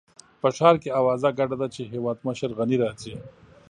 په ښار کې اوازه ګډه ده چې هېوادمشر غني راځي.